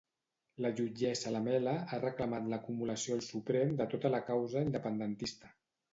La jutgessa Lamela ha reclamat l'acumulació al Suprem de tota la causa independentista.